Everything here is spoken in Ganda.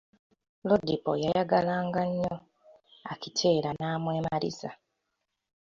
Lodipo yayagalanga nnyo Akitela namwemaliza.